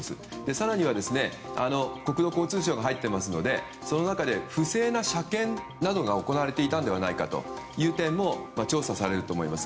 更には国土交通省が入っていますのでその中で不正な車検などが行われていたのではないかという点も調査されると思います。